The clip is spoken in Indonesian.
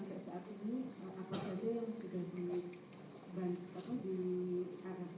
pada aplikasi teman teman